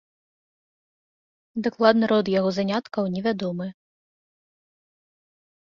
Дакладны род яго заняткаў невядомы.